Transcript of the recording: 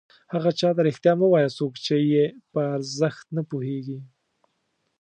هغه چاته رښتیا مه وایه څوک چې یې په ارزښت نه پوهېږي.